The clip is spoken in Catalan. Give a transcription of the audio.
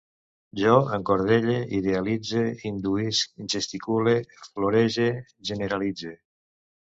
Jo encordelle, idealitze, induïsc, gesticule, florege, generalitze